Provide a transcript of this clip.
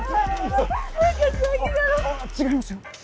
⁉違いますよ。